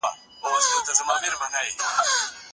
سرمایه داري نظام افراط کوي.